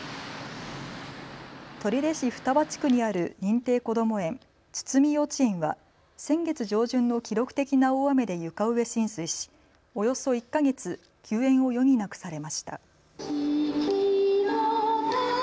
取手市双葉地区にある認定こども園つつみ幼稚園は先月上旬の記録的な大雨で床上浸水しおよそ１か月休園を余儀なくされました。